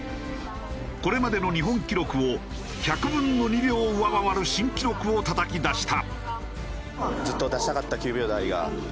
これまでの日本記録を１００分の２秒上回る新記録をたたき出した。